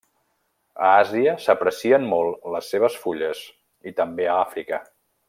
A Àsia s'aprecien molt les seves fulles i també a Àfrica.